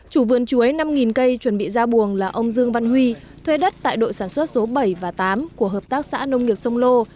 chủ vườn chuối năm cây chuẩn bị ra buồng là ông dương văn huy thuê đất tại đội sản xuất số bảy và tám của hợp tác xã nông nghiệp sông lô